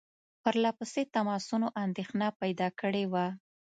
پرله پسې تماسونو اندېښنه پیدا کړې وه.